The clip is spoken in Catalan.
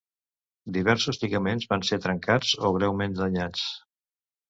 Diversos lligaments van ser trencats o greument danyats.